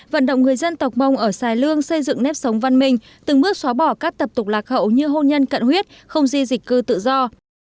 vận động người dân tộc mông ở xài lương xây dựng nếp sống văn minh từng bước xóa bỏ các tập tục lạc hậu như hôn nhân cận huyết không di dịch cư tự do